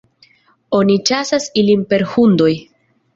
Oni ĉasas ilin per hundoj.